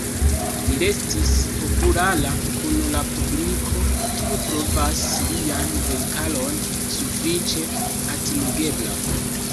Li restis populara kun la publiko, kiu trovas lian verkaron sufiĉe atingebla.